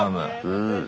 うん。